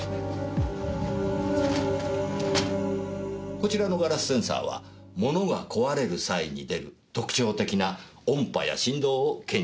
こちらのガラスセンサーは物が壊れる際に出る特徴的な音波や振動を検知いたします。